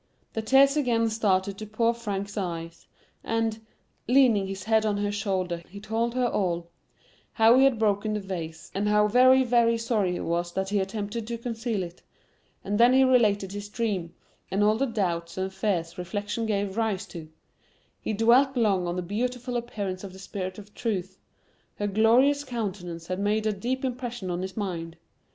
The tears again started to poor Frank's eyes, and, leaning his head on her shoulder, he told her all,—how he had broken the vase, and how very, very sorry he was that he attempted to conceal it; and then he related his dream[Pg 15] and all the doubts and fears Reflection gave rise to; he dwelt long on the beautiful appearance of the spirit of Truth; her glorious countenance had made a deep impression on his mind.